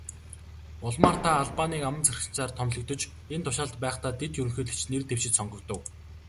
Улмаар та Албанийн амбан захирагчаар томилогдож, энэ тушаалд байхдаа дэд ерөнхийлөгчид нэр дэвшиж, сонгогдов.